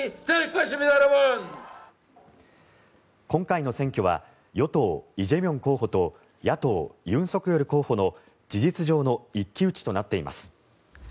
今回の選挙は与党、イ・ジェミョン候補と野党、ユン・ソクヨル候補の事実上の一騎打ちとなっています。